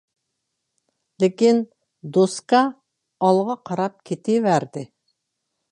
لېكىن، «دوسكا» ئالغا قاراپ كېتىۋەردى،